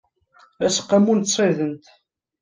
aseqqamu n tsiḍent